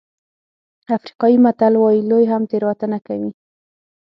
افریقایي متل وایي لوی هم تېروتنه کوي.